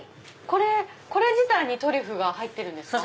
これ自体にトリュフが入ってるんですか？